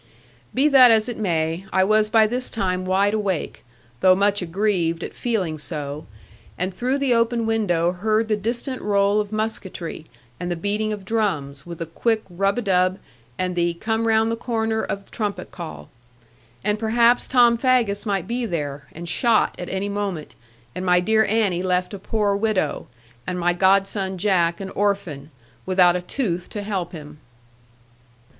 Be that as it may, I was by this time wide awake, though much aggrieved at feeling so, and through the open window heard the distant roll of musketry, and the beating of drums, with a quick rub a dub, and the 'come round the corner' of trumpet call. And perhaps Tom Faggus might be there, and shot at any moment, and my dear Annie left a poor widow, and my godson Jack an orphan, without a tooth to help him.